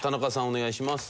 お願いします。